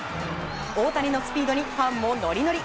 大谷のスピードにファンもノリノリ。